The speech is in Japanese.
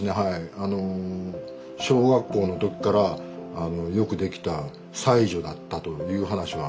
あの小学校の時からよくできた才女だったという話は。